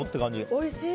おいしい！